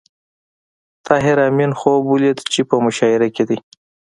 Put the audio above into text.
طاهر آمین خوب ولید چې په مشاعره کې دی